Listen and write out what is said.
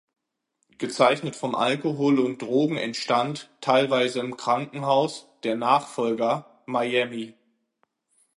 Gezeichnet vom Alkohol und Drogen entstand, teilweise im Krankenhaus, der Nachfolger "Miami".